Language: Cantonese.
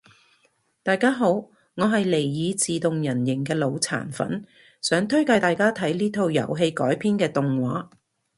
大家好我係尼爾自動人形嘅腦殘粉，想推介大家睇呢套遊戲改編嘅動畫